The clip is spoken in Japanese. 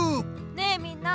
ねえみんな。